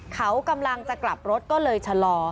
เขากำลังจะกลับรถก็เลยชะลอ